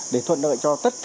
để thuận lợi cho tất cả